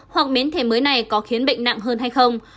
hoặc biến thể mới này có khiến bệnh nặng hơn hay không